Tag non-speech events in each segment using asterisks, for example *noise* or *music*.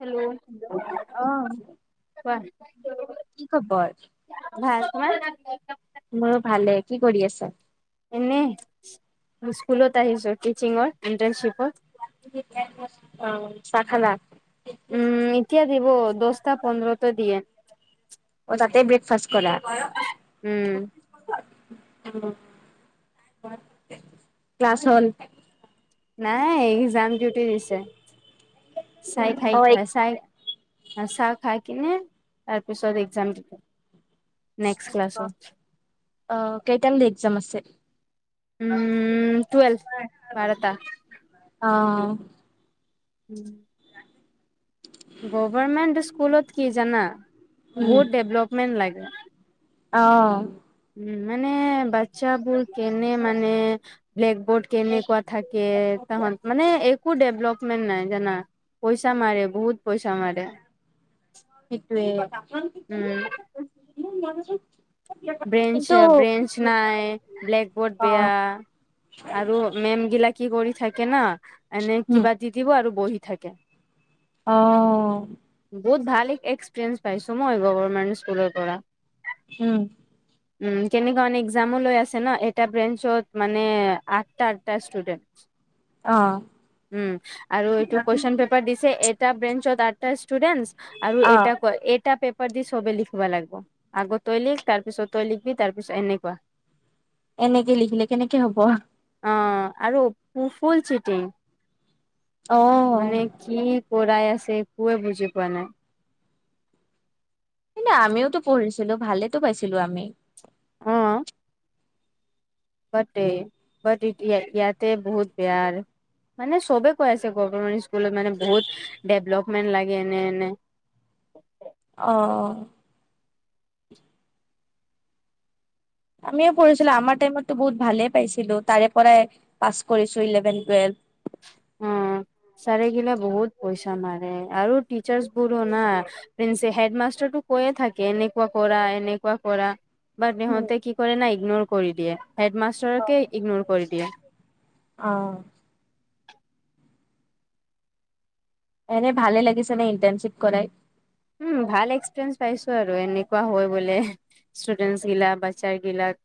Hello কোৱা? Hello অ নাই, কি খবৰ তোমাৰ? মোৰো ভালে, কি কৰি আছে? এনেই, স্কুলত আহিছো টিচিঙৰ ইণ্টাৰণশ্বিপত। অঁ' চাহ খালা? উমঁ' এতিয়া দিব, দহটা পোন্ধৰটে দিয়ে। অহ' তাতে ব্ৰেকফাষ্ট কৰা? উমঁ। ক্লাছ হ'ল‌? নাই এক্সাম ডিউটি দিছে, চাই খাই অ চাই চাহ খাই কিনে তাৰপিছত এক্সাম দিব। নেক্সট ক্লাছৰ অঁ কেইটালৈ এক্সাম আছে? উমঁ' টুৱেলভ, বাৰতা। অঁ। উমঁ। গভমেন্ট স্কুলত কি জানা বহুত ডেভলপমেন্ট লাগে। অঁ। উমঁ' মানে বাচ্ছাবোৰ কেনে মানে ব্লেকবৰ্ড কেনেকুৱা থাকে, তাহত মানে একো ডেভলপমেণ্ট নাই জানা। পইচা মাৰে, বহুত পইচা মাৰে, সেইটোৱে উমঁ। *unintelligible* কিন্তু ব্ৰেন্ঞ্চ নাই, ব্লেক বৰ্ড অ দিয়া। আৰু মেমগিলা কি কৰি থাকে ন' এনে উম কিবা দি দিব আৰু বহি থাকে। অঁ। বহুত ভাল এক্সপিৰিয়েঞ্চ পাইছো মই গভমেন্ট স্কুলৰ পৰা। উমঁ। উমঁ' কেনেকুৱ এক্সামো লৈ আছে ন' এটা ব্ৰেঞ্চত মানে আঠটা আঠটা ষ্টুডেণ্ট। *unintelligible* উমঁ আৰু এইটো কুৱেশন পে পেপাৰ দিছে এটা বেঞ্চত আঠটা ষ্টুডেণ্টচ্ আৰু অ এটা পেপাৰ দি চবেই লিখব লাগিব, আগ তই লিখ তাৰপিছত তই লিখিবি তাৰপিছত এনেকুৱা। এনেকে লিখিলে কেনেকে হ'ব। অঁ, আৰু ফুল চিটিং। অ মানে কি কৰাই আছে একোৱে বুজি পোৱা নাই। ন আমিওতো পঢ়িছিলোঁ, ভালেই টো পাইছিলো আমি। বাটেই বাট ইয়াতে বহুত বেয়া আৰু। মানে চবে কৈ আছে গভমেণ্ট স্কুলত মানে বহুত ডেভলপমেন্ট লাগে এনে এনে। অঁ। আমিও পঢ়িছিলোঁ, আমাৰ টাইমতো বহুত ভালেই পাইছিলো। তাৰে পৰাই পাছ কৰিছো ইলেভেন, টুৱেলভ। *inaudible* চাৰেগিলা বহুত পইচা মাৰে, আৰু টিচাৰ্চ বোৰো না। হেড মাষ্টাৰ কৈ থাকে এনেকুৱা কৰা, এনেকুৱা কৰা। বাত উম, সহঁতে কি কৰে ন ইগনোৰ কৰি দিয়ে, হেড মাষ্টাৰকে ইগনোৰ কৰি দিয়ে। অঁ। এনে লাগিছে নে ইণ্টাৰ্ণশ্বিপ কৰাই? উম, ভাল এক্সপিৰিয়েন্ঞ্চ পাইছো আৰু এনেকুৱা হয় বোলে ষ্টুডেন্টচ গিলাক, বাচ্ছাৰ গিলাক।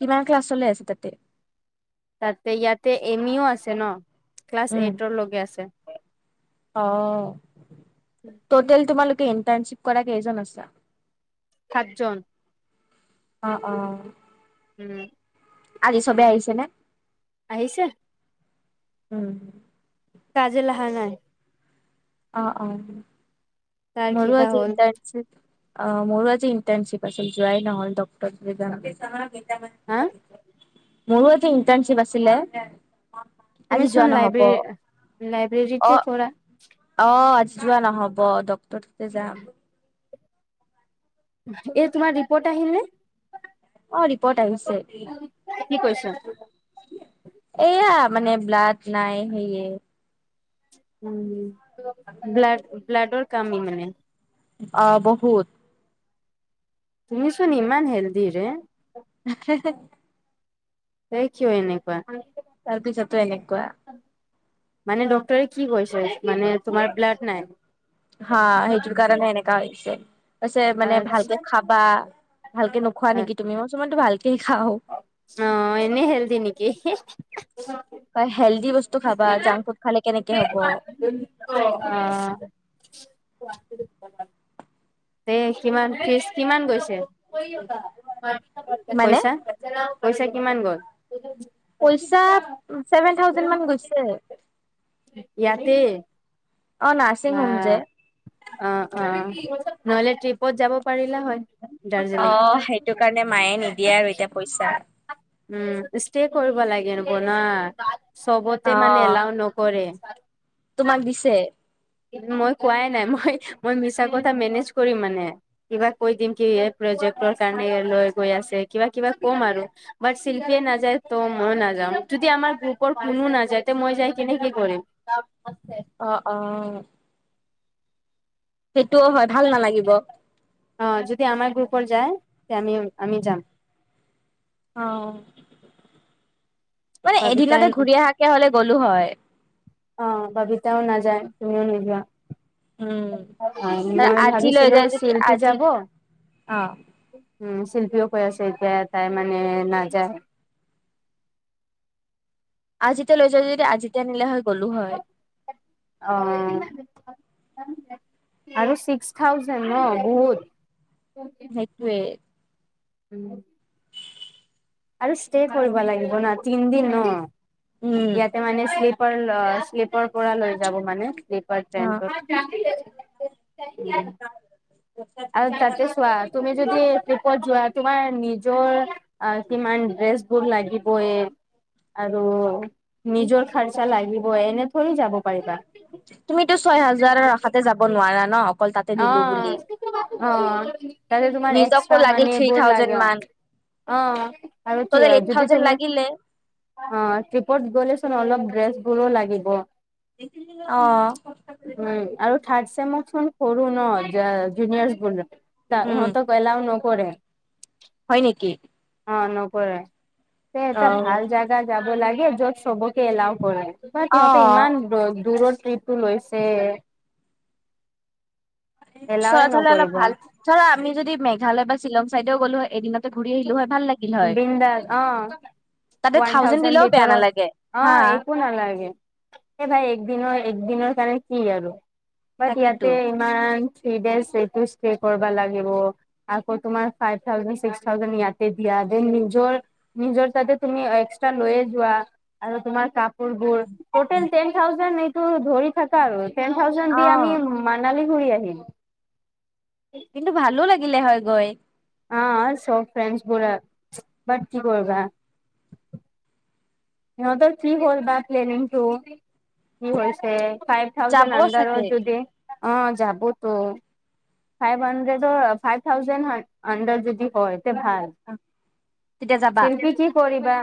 কিমান ক্লাছলৈ আছে তাতে? তাতে ইয়াতে এনিও আছে ন', ক্লাছ এইটৰ লগে আছে। অঁ, টোটেল তোমালোকে ইণ্টাৰ্ণশ্বিপ কৰা কেইজন আছা? সাতজন। অঁ, অঁ। উম। আজি চবে আহিছে নে? আহিছে। উম। তাজিল অহা নাই? অঁ, অঁ, তাৰ মোৰো কিবা আজি হ'ল - অঁ, মোৰো আজি ইণ্টাৰ্ণশ্বিপ আছিল, যোৱাই নহল। হা মোৰো আজি ইণ্টাৰ্ণশ্বিপ আছিলে। আজি যোৱা তুমিছোন নহব লাইব্ৰে লাইব্ৰেৰী তে কৰা। অঁ, আজি যোৱা নহব ডক্তৰ তাতে যাম। এ তোমাৰ ৰিপৰ্ট আহিলনে? অঁ, ৰিপট আহিছে। কি কৈছা? এয়া মানে ব্লাড নাই সেয়ে। উম, ব্লা ব্লাডৰ কামি মানে? অঁ, বহুত। তুমিছোন ইমান হেল্ডি ৰে। তাকে হে। তাই কিয় এনেকুৱা? তাৰপিছতে এনেকুৱা। মানে ডক্টৰে কি কৈছে, মানে তোমাৰ ব্লাড নাই? হা সেইটোৰ কাৰণে এনেকা হৈছে, কৈছে মানে ভালকে খাবা। ভালকে নোখোৱা নেকি তুমি, মই তো ভালকে খাওঁ। অঁ, এনেই হেল্ডি নেকি। হয়, হেল্ডি বস্তু খাবা, জাংক ফুড খালে কেনেকে হ'ব। উম। *unintelligible* এ কিমান ফিজ কিমান গৈছে? মানে পইছা, পইছা কিমান গল? পইছা ছেভেন থাউজেণ্ড মান গৈছে। ইয়াতে অ নাৰ্ছিং বা হোম যে অঁ অঁ, নহলে ট্ৰিপত যাব পাৰিলা হয়। দাৰ্জিলিং। অঁ সেইটো কাৰণে মায়ে নিদিয়ে আৰু এতিয়া পইছা। উম, ইষ্টে কৰিব লাগেব না অ চবতে এলাও নকৰে। তোমাক দিছে। মই কোৱাই নাই, মই মই মিছা কথা মেনেজ কৰিম মানে। কিবা কৈ দিম কি এই প্ৰজেক্টৰ কাৰণে লৈ গৈ আছে কিবা কিবা কম আৰু। বাত শিল্পীয়ে নাযায় ত মইও নাযাম, যদি আমাৰ গ্ৰুপৰ কোনো নাযায় ত মই যাই কেনে কি কৰিম? *inaudible* অঁ অ। সেইটোও হয়, ভাল নালাগিব। অঁ যদি আমাৰ গ্ৰুপৰ যায়, তেতিয়া আমি আমি যাম। অঁ, মানে ববিতাই এদিনতে ঘূৰি অহাকে হলে গ'লো হয়। অঁ, বাবিতাও নাযায়, তুমিয়ো নোযোৱা। উম। মই আজি লৈ ভাবিছিলো যায় যদি শিল্পী আজি যাব। অ উম শিল্পীয়ো কৈ আছে তাই মানে নাযায়। আজি তই লৈ যোৱা যদি আজি তই নিলে হয় গ'লো হয়। অঁ। আৰু ছিক্স থাউজেণ্ড ন বহুত। সেইটোৱে। উম। আৰু ইষ্টে ষ্টে কৰিব লাগিব না, তিনিদিন ন উম ইয়াত মানে শ্লিপাৰ শ্লিপাৰ পৰা লৈ যাব মানে শ্লিপাৰ অ ট্ৰেনটো। *inaudible* আৰু তাতে চোৱা তুমি যদি ট্ৰিপত যোৱা, তোমাৰ নিজৰ অঁ কিমান ড্ৰেছ বোৰ লাগিবইয়ে। আৰু নিজৰ খাৰচা লাগিবই, এনেকৈও যাব পাৰিবা। তুমিতো ছয় হাজাৰৰ আশাতে যাব নোৱাৰা ন। অকল তাতে দিলো অঁ বুলি। অঁ, তাতে তোমাৰ নিজকো এক্সট্ৰা লাগিল মানি থ্ৰী এইবোৰ থাউজেণ্ড লাগে অঁ। মান অঁ আৰু টটেল এইট যদি থাউজেণ্ড তুমি লাগিলে। অঁ, ট্ৰিপত গ'লেচোন অলপ ড্ৰেছবোৰো লাগিব। অ। উম আৰু থাৰ্ড চেম চোন সৰু ন, যা যুনিয়ৰছ বোৰ উম ইহঁতক এলাও নকৰে। হয় নেকি? অঁ, নকৰে অ। এটা ভাল জাগ গা যাব লাগে য'ত চবকে এলাও কৰে, বাত অ সিহঁতে অ ইমান দূৰৰ ট্ৰিপ টো লৈছে। এলাওৱে ওচৰত হ'লে অলপ নকৰিব ভাল, ধৰা আমি যদি মেঘালয় বা শ্বিলং চাইডেও গ'লো এদিন তে ঘূৰি আহিলো হয়, ভাল লাগিল হয়। বিন্দাছ অ তাতে ওৱান থাউজেণ্ড দিলেও বেয়া ভিতৰত নালাগে। অ হা একো নালাগে, এই ভাই একদিনৰ একদিনৰ কাৰণে কি আৰু, বাট তাকেতো ইয়াতে ইমান ফ্ৰিদেছ ৰেকোছ হে কৰবা পাগব, আকৌ তোমাৰ ফাইভ থাউজেণ্ড চিক্স ছোৱালী জনী ইয়াতে দিয়া দেই নিজৰ নিজৰ তাতে তুমি এক্সট্ৰা লৈয়ে যোৱা আৰু তোমাৰ কাপ বোৰ টুটেল টেন থাউজেন্ড এইটো ধৰি থকা আৰু টেন থাউজেন্ড অ দি আমি মানালী ঘুৰি আহিল কিন্তু ভালো লাগিলে হয় গৈ অ' চৌক ফ্ৰেণ্ডবোৰ আৰু বাট কি কৰিবা সিহঁতৰ কি হ'ল বা প্লেনিংটো কি হৈছে ফাইভ যাব থাউজেড চাগে আন্ডাৰত যদি অ যাব তো ফাইভ হাণ্ড্ৰেড ফাইভ থাউজেড আণ্ডাৰত যদি হয় তে ভাল তেতিয়া যাবা। শিল্পী কি কৰিবা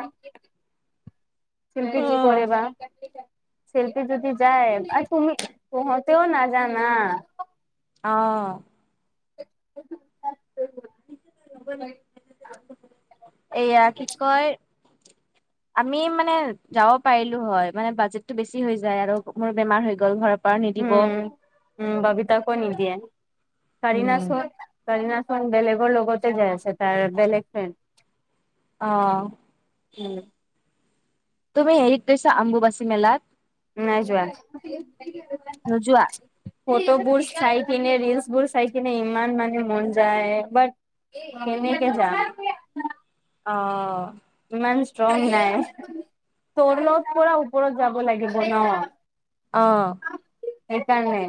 শিল্পী অ কি কৰে বা শিল্পী যদি যায় আৰু তুমি পোহতেও নাজানা অ' *unintelligible* এয়া কি কয় আমি মানে মানে যাব পাৰিলো হয় মানে বাজেটটো বেছি হৈ যায় আৰু মোৰ বেমাৰ হৈ গ'ল ঘৰৰ পৰা নিদিব উম উম বাবিতাকো নিদিয়ে উম। কাৰিনাচোন কাৰিনাচোন বেলেগৰ লগতে যাই আছে তাৰ বেলেগ ফ্ৰেণ্ড অ' উম তুমি হেৰিত গৈছা আম্বুবাচী মেলাত নাই যোৱা নোযোৱা? ফটোবোৰ চাই কিনে ৰীলচ বোৰ চাই কিনে ইমান মানে মন যায় বাট কেনেকে যাম অ ইমান ষ্ট্ৰং নাই তলত পৰা ওপৰত যাব লাগিব ন অঁ সেইকাৰণে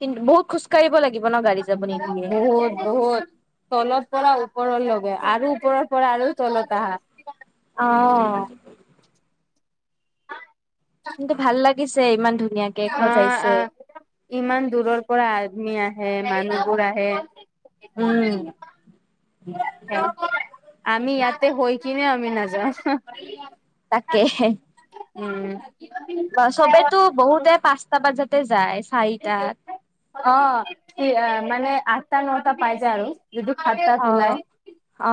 কিন্তু বহুত খোজকাঢ়িব লাগিব ন গাড়ী যাব নেদিয়ে বহুত বহুত তলত পৰা ওপৰৰ লগে আৰু ওপৰৰ পৰা আৰু তলত আহা অ কিন্তু ভাল লাগিছে ইমান ধুনীয়াকে আহ সজাইছে আহ ইমান দূৰৰ পৰা আদমি আহে মানুহবোৰ আহে উম আমি ইয়াতে হৈ কিনে আমি না যাওঁ তাকে উম বা চবেতো বহুতে পাঁচটা বাজাতে যাতে যায় চাৰিটাত অ সেই মানে আঠটা নটা পাই যায় আৰু যদি সাতটাত অ উলাই অ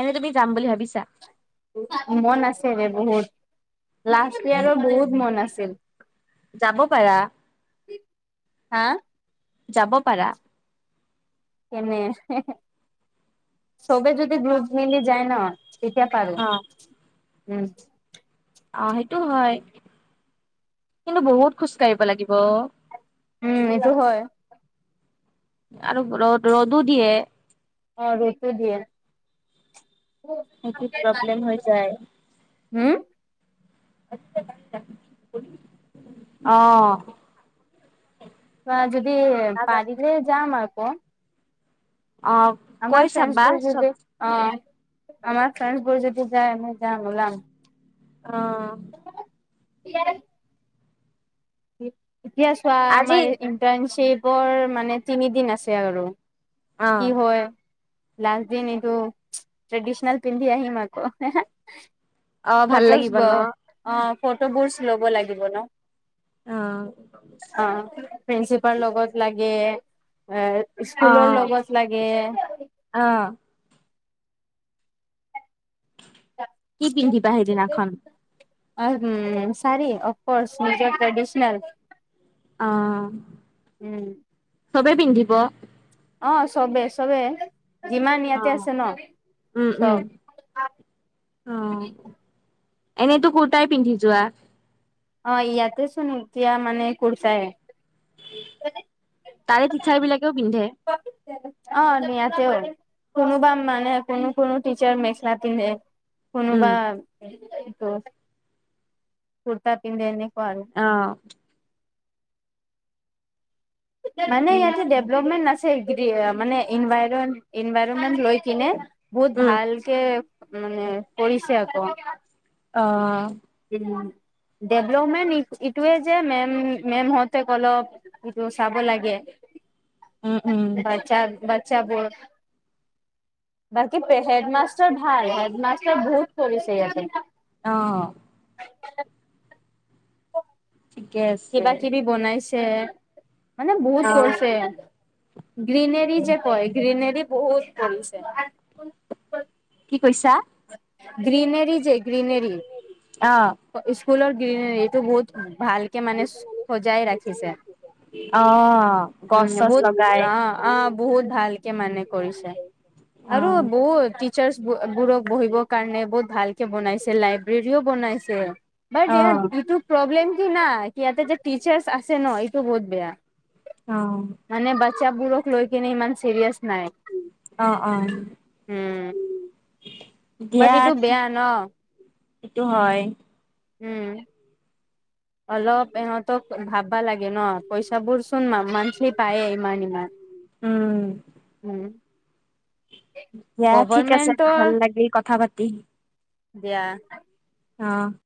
এনে তুমি যাম বুলি ভাবিছা মন আছে এ বহুত লাষ্ট ইয়েৰত বহুত মন আছিল যাব পাৰা হা যাব পাৰা এনে চ'বে যদি গ্ৰুপ মিলি যায় ন তেতিয়া পাৰো, অ উম অ সেইটো হয়, কিন্তু বহুত খোজ কাঢ়িব লাগিব। উম এইটো হয়। আৰু ৰ ৰ'দো দিয়ে অ', ৰ'দ টো দিয়ে। সেইটো প্ৰব্লেম হৈ যায় হু? অ'। কোৱা যদি নাজানো পাৰিলে যাম আক। অ', কৈ ফ্ৰেণ্ডছ চাবা বোৰ চব যদি অ', আমাৰ ফ্ৰেড বোৰ যদি যায় আমি যাম ওলাম। অ'। *unintelligible* এতিয়া চোৱা আজি আমাৰ ইণ্টাৰ্ণশ্বিপৰ মানে তিনিদিন আছে আৰু। অ কি হয়। লাষ্ট দিন এইটো ট্ৰেডিচনেল পিন্ধি আহিম আক। অ ভাল ফটোছ্ লাগিব ন অ ফটোবোৰচ ল'ব লাগিব ন। অ', অ', প্ৰিন্সিপাল লগত লাগে, এ স্কুলৰ অ', লগত লাগে। অ'। কি পিন্ধিবা সেইদিনাখন? অ', শাৰী অফ ক'ৰ্চ নিজৰ ট্ৰেডিচনেল। অ', উম চবে পিন্ধিব। অ', চবেই চবে, যিমান ইয়াতে অ', আছে ন উম, উম, চব। অ', এনেইতো কুৰ্তাই পিন্ধি যোৱা। অ', ইয়াতে চোন এতিয়া মানে কুৰ্তাই তাৰে টিচাৰ বিলাকেও পিন্ধে। অ', নিয়াতেও। কোনোব মানে কোনো কোনো টিচাৰ মেখেলা পিন্ধে। কোনোবা উম, এইটো কুৰ্তা পিন্ধে এনেকুৱা আৰু। অ'। মানে ঠিকে। ইয়াতে ডেভ্লমেণ্ট না সেই গতিকে মানে ইনভাইৰ ইনভাইৰমেন্ট লৈ কিনে বহুত উম, ভালকে মানে কৰিছে আক অ'। ডেভেলপমেণ্ট এইটোৱে যে মে'ম মে'ম হতেক অলপ সেইটো চাব লাগে, উম, উম, বাছা বাচ্ছাবোৰ। *inaudible* বাকী হেডমাষ্টাৰ ভাল, হেডমাষ্টাৰ বহুত কৰিছে ইয়াতে। অ'। *unintelligible* ঠিকে আছে কিবা কিবি বনাইছে, মানে বহুত কৰিছে এইয়াত। গ্ৰীনেৰী যে কয় গ্ৰীনেৰী বহুত কৰিছে। কি কৈছা? গ্ৰীনেৰি যে গ্ৰীনেৰি অ'। অ', স্কুলৰ গ্ৰীনে এইটো বহুত ভালকে মানে চ সজাই ৰাখিছে। অ', গছ উম, চছ বহুত লগাই অ', অ', বহুত ভালকে মানে কৰিছে। আৰু অ', বহুত টি চাৰচ বো-বোৰক বহিবৰ কাৰণে বহুত ভালকে বনাইছে, লাইব্ৰেৰীও বনাইছে। বোত অ', ইয়াত ইটো প্ৰব্লেম কি না, কি ইয়াতে যে টিচাৰ্ছ আছে ন ইটো বহুত বেয়া। *inaudible* অ' মানে বাচ্ছাবোৰক লৈ কিনে ইমান চিৰিয়াচ নাই। অ', অ', উম, *unintelligible* বাট এইটো দিয়াত বেয়া ন। সেইটো হয়। উম, অলপ ইহঁতক ভাববা লাগে ন, পইচাবোৰ চোন মা-মান্থলী পায়েই ইমান ইমান। উম। উম। দিয়া ঠিক আছে, গভৰ্মেন্টৰ ভাল লাগি কথা পাতি। দিয়া। অ'।